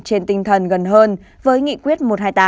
trên tinh thần gần hơn với nghị quyết một trăm hai mươi tám